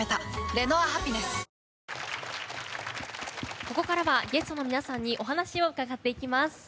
ここからはゲストの皆さんにお話を伺っていきます。